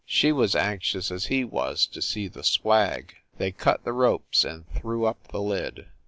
She was anxious as he was, to see the swag. They; cut the ropes and threw up the lid.